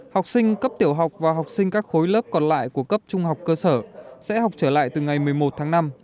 học sinh cấp tiểu học và học sinh các khối lớp còn lại của cấp trung học cơ sở sẽ học trở lại từ ngày một mươi một tháng năm